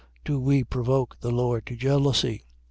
10:22. Do we provoke the Lord to jealousy?